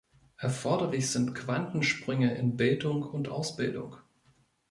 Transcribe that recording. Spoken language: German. Erforderlich sind Quantensprünge in Bildung und Ausbildung.